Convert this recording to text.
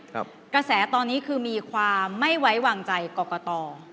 กระแสตอนนี้คือมีความไม่ไว้วางใจกรกต